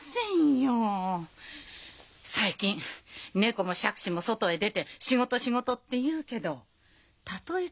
最近猫も杓子も外へ出て仕事仕事って言うけどたとえ